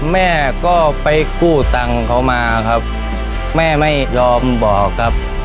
แม่ก็ไปกู้ตังค์เขามาครับแม่ไม่ยอมบอกครับ